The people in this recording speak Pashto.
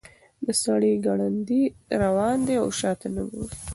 سړی ګړندی روان دی او شاته نه ګوري.